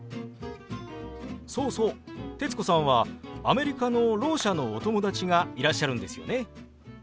そうそう徹子さんはアメリカのろう者のお友達がいらっしゃるんですよね？